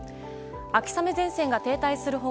秋雨前線が停滞する他